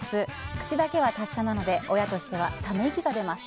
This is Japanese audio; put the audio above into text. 口だけは達者なので親としてはため息が出ます。